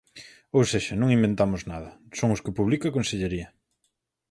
Ou sexa, non inventamos nada, son os que publica a Consellería.